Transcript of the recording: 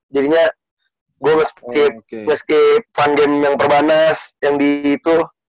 jadinya gue meski fun game yang perbanas yang di itu